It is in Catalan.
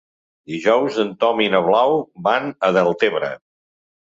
Dijous en Tom i na Blau van a Deltebre.